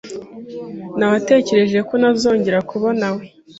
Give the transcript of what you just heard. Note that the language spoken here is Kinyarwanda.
Nawetekereje ko ntazongera kubonawe .